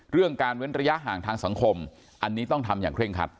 เรื่องการเว้นระยะห่างทางสังคมอันนี้ต้องทำอย่างเร่งคัด